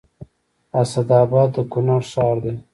اسداباد د کونړ ښار دی